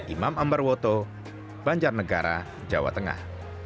imam ambarwoto banjar negara jawa tengah